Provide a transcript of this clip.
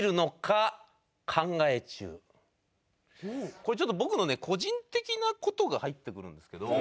これ僕のね個人的な事が入ってくるんですけど。